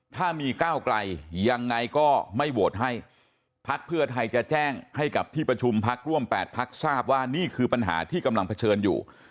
ถ้ามีก้าวไกลยังไงก็ไม่โหวตให้พักเพื่อไทยจะแจ้งให้กับที่ประชุมพักร่วม๘พักทราบว่านี่คือปัญหาที่กำลังเผชิญอยู่